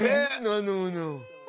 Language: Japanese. なるほど。